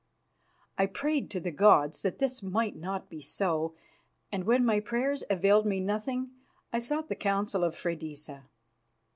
I prayed to the gods that this might not be so, and when my prayers availed me nothing I sought the counsel of Freydisa.